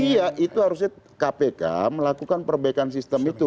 iya itu harusnya kpk melakukan perbaikan sistem itu